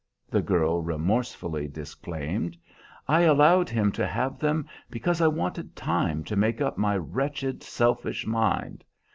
the girl remorsefully disclaimed. "I allowed him to have them because I wanted time to make up my wretched, selfish mind.